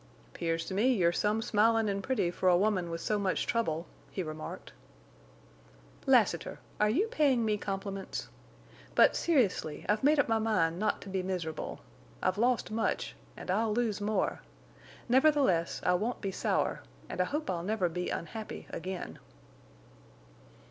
"'Pears to me you're some smilin' an' pretty for a woman with so much trouble," he remarked. "Lassiter! Are you paying me compliments? But, seriously I've made up my mind not to be miserable. I've lost much, and I'll lose more. Nevertheless, I won't be sour, and I hope I'll never be unhappy—again."